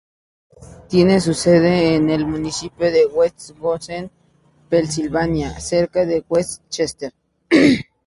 Tiene su sede en el Municipio de West Goshen, Pensilvania, cerca de West Chester.